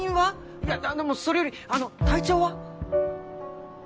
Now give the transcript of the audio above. いやでもそれよりあの体調は？